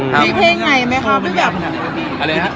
มีเพลงไหนไหมครับ